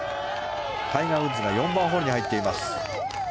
タイガー・ウッズが４番ホールに入っています。